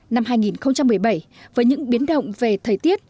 năm hai nghìn một mươi bảy với những biến động về thời tiết